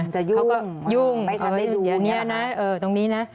จะยุ่งไปทำได้ยูอย่างนี้นะ